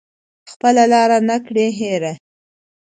خپله لاره نه کړي هیره